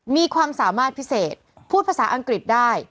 มีความสามารถพิเศษพูดภาษาอังกฤษได้